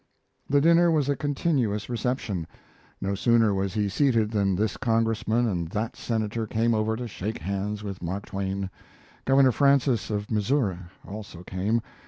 The dinner was a continuous reception. No sooner was he seated than this Congressman and that Senator came over to shake hands with Mark Twain. Governor Francis of Missouri also came.